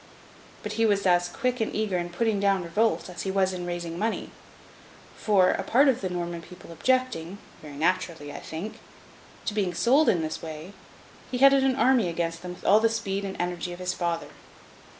But he was as quick and eager in putting down revolt as he was in raising money; for, a part of the Norman people objecting—very naturally, I think—to being sold in this way, he headed an army against them with all the speed and energy of his father.